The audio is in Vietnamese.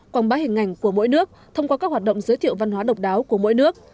quảng bá hình ảnh của mỗi nước thông qua các hoạt động giới thiệu văn hóa độc đáo của mỗi nước